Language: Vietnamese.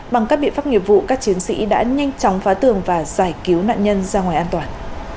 đã bị phát nghiệp vụ các chiến sĩ đã nhanh chóng phá tường và giải cứu nạn nhân ra ngoài an toàn